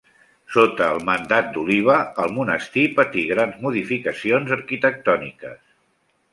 Sota el mandat d'Oliba el monestir patí grans modificacions arquitectòniques.